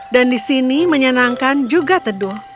dan di sini menyenangkan juga tedul